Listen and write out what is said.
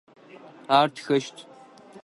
Ар тхэщт.